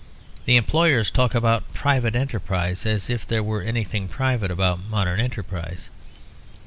The employers talk about "private enterprise," as if there were anything private about modern enterprise.